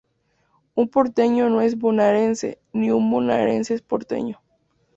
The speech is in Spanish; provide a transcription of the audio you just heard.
Un porteño no es bonaerense, ni un bonaerense es porteño.